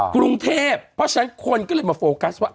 กรุงเทพเพอร์เทนใครชักคนก็เลยมาโฟกัสว่า